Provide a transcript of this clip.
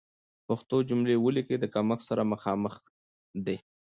پښتو جملې وليکئ، د کمښت سره مخامخ دي.